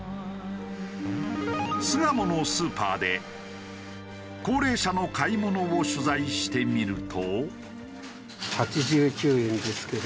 巣鴨のスーパーで高齢者の買い物を取材してみると。